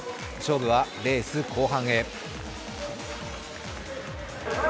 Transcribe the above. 勝負はレース後半へ。